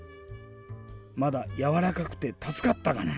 まだやわらかくてたすかったがな。